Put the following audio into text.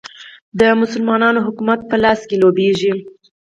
د مسلمانانو حکومت په لاس کې لوبیږي.